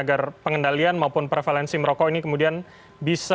agar pengendalian maupun prevalensi merokok ini kemudian bisa